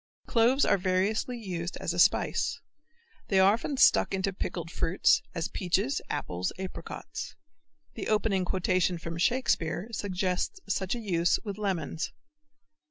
Cloves are variously used as a spice. They are often stuck into pickled fruits, as peaches, apples, apricots. The opening quotation from Shakespeare suggests such a use with lemons.